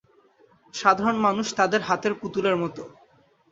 সাধারণ মানুষ তাদের হাতের পুতুলের মতো।